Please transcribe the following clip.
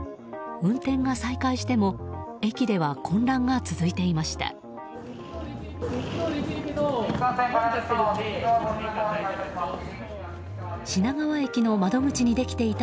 運転が再開しても駅では混乱が続いていました。